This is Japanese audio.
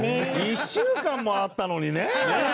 １週間もあったのにねえ。